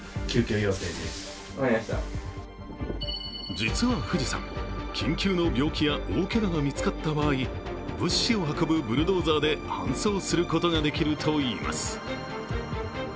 実は富士山、緊急の病気や大けがが見つかった場合物資を運ぶブルドーザーで搬送することができるといいます。